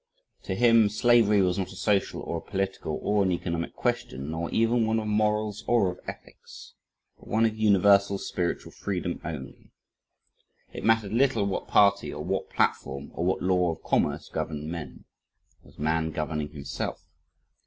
To him, slavery was not a social or a political or an economic question, nor even one of morals or of ethics, but one of universal spiritual freedom only. It mattered little what party, or what platform, or what law of commerce governed men. Was man governing himself?